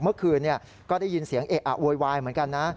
เมื่อคืนก็ได้ยินเสียงเอะอะโวยวายเหมือนกันนะ